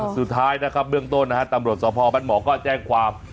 สุดท้ายนะครับเบื้องต้นนะฮะตำรวจสภบ้านหมอก็แจ้งความ